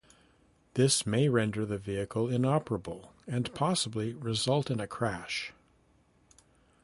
This may render the vehicle inoperable and possibly result in a crash.